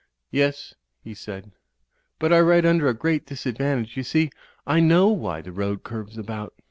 "Yes," he said. "But I write under a great disad vantage. You see, I know why the road curves about."